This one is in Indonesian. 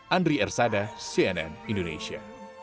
andri ersada cnn indonesia